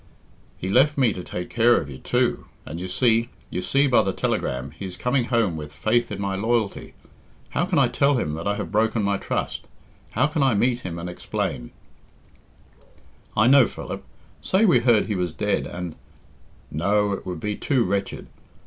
"He left me to take care of you, too, and you see you see by the telegram he is coming home with faith in my loyalty. How can I tell him that I have broken my trust? How can I meet him and explain " "I know, Philip. Say we heard he was dead and " "No, it would be too wretched.